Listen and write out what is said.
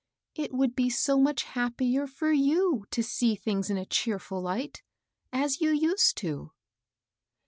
It would be so much happier for you to see things in a cheerful light, as you used to."